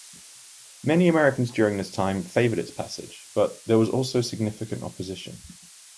Many Americans during this time favored its passage, but there was also significant opposition.